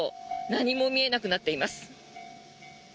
何も見えなくなっています。